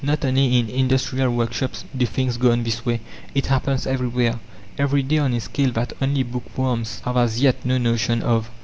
Not only in industrial workshops do things go on in this way; it happens everywhere, every day, on a scale that only bookworms have as yet no notion of.